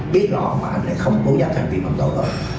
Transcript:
biết rõ mà anh này không cố giác hành vi bầm tội đâu